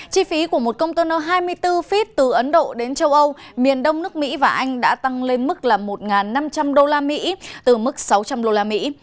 chi phí của một container hai mươi bốn feet từ ấn độ đến châu âu miền đông nước mỹ và anh đã tăng lên mức là một năm trăm linh đô la mỹ từ mức sáu trăm linh đô la mỹ